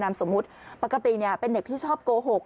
สมมุติปกติเป็นเด็กที่ชอบโกหก